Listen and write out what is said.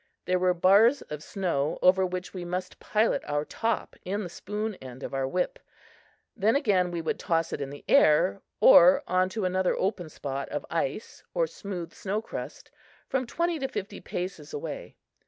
There were bars of snow over which we must pilot our top in the spoon end of our whip; then again we would toss it in the air on to another open spot of ice or smooth snowcrust from twenty to fifty paces away.